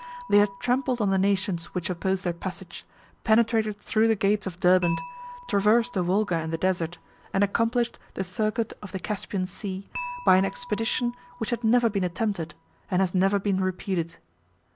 They had trampled on the nations which opposed their passage, penetrated through the gates of Derbent, traversed the Volga and the desert, and accomplished the circuit of the Caspian Sea, by an expedition which had never been attempted, and has never been repeated.